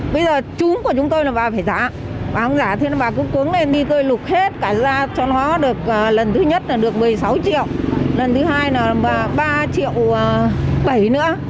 bây giờ trúng của chúng tôi là bà phải trả bà không trả thì bà cứ cuống lên đi tôi lục hết cả ra cho nó được lần thứ nhất là được một mươi sáu triệu lần thứ hai là ba triệu bảy nữa